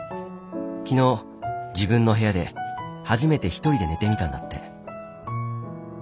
昨日自分の部屋で初めて一人で寝てみたんだって。